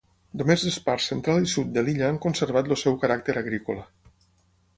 Només les parts central i sud de l'illa han conservat el seu caràcter agrícola.